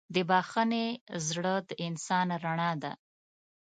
د بښنې زړه د انسان رڼا ده.